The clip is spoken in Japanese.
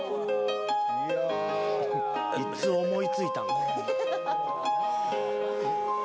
いつ思いついたんだろ。